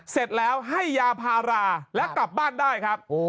เสร็จแล้วให้ยาพาราและกลับบ้านได้ครับ